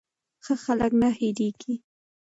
ښه خلک نه هېریږي.